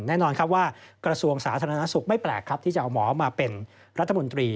แน่นอนครับว่ากระทรวงสาธารณสุขไม่แปลกครับที่จะเอาหมอมาเป็นรัฐมนตรี